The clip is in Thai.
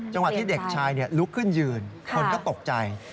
ที่เด็กชายลุกขึ้นยืนคนก็ตกใจ